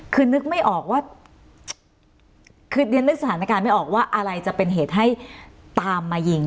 คือนึกสถานการณ์ไม่ออกว่าอะไรจะเป็นเหตุให้ตามมายิง